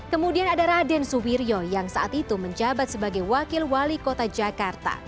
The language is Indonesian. kemudian ada raden suwirjo yang saat itu menjabat sebagai wakil wali kota jakarta